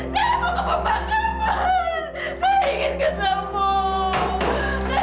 saya selalu berharap sudah berjaya